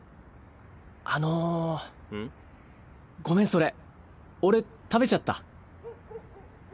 ごめんそれ俺食べちゃった。